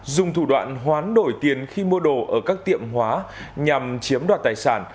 dùng thủ đoạn hoán đổi tiền khi mua đồ ở các tiệm hóa nhằm chiếm đoạt tài sản